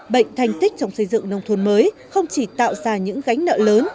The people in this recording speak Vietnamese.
bệnh thành tích trong xây dựng nông thôn mới không chỉ tạo ra những gánh nợ lớn